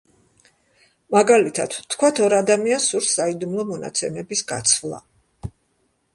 მაგალითად: ვთქვათ, ორ ადამიანს სურს საიდუმლო მონაცემების გაცვლა.